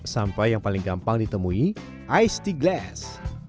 sampai yang paling gampang ditemui ice tea glass